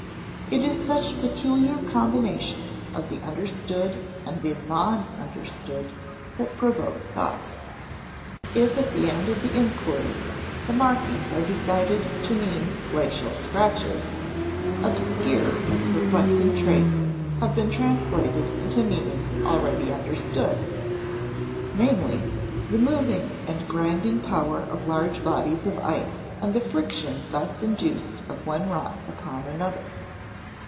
It is such peculiar combinations of the understood and the nonunderstood that provoke thought. If at the end of the inquiry, the markings are decided to mean glacial scratches, obscure and perplexing traits have been translated into meanings already understood: namely, the moving and grinding power of large bodies of ice and the friction thus induced of one rock upon another.